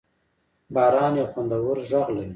باران یو خوندور غږ لري.